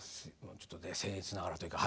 ちょっとね僭越ながらというか。